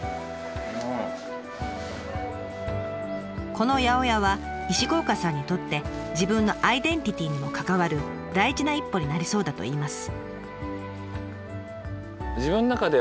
この八百屋は石郷岡さんにとって自分のアイデンティティーにも関わる大事な一歩になりそうだといいます。